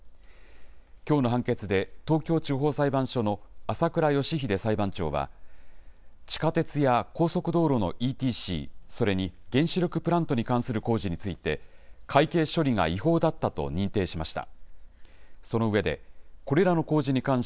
きょうの判決で、東京地方裁判所の朝倉佳秀裁判長は、地下鉄や高速道路のＥＴＣ、それに原子力プラントに関する工事について、会計処理が違法だったと認定しました。